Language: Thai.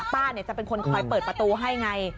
ป้าจะเป็นคนคอยเปิดประตูให้ไง